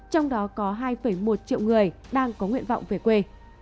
trong đó có hai một triệu người đang có nguyện vọng về quê